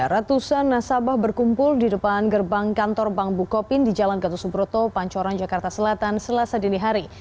ratusan nasabah berkumpul di depan gerbang kantor bank bukopin di jalan gatot subroto pancoran jakarta selatan selasa dinihari